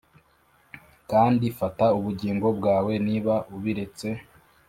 kandi fata ubugingo bwawe niba ubiretse